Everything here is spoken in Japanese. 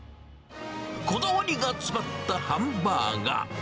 こだわりが詰まったハンバーガー。